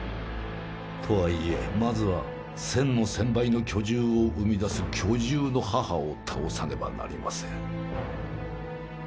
とはいえまずは千の千倍の巨獣を生み出す巨獣の母を倒さねばなりません。